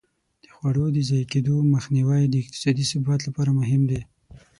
د خواړو د ضایع کېدو مخنیوی د اقتصادي ثبات لپاره مهم دی.